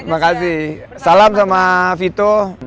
terima kasih salam sama vito